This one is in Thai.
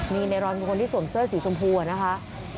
นี่ในรอนเป็นคนที่สวมเสื้อสีชมพูอะนะคะ